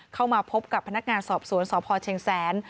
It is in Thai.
เข้ามาพบกับพนักงานสอบสวนสพเชียงแสน